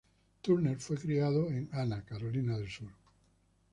Turner fue criado en Hannah, Carolina del Sur.